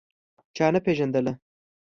چا نه پېژندله.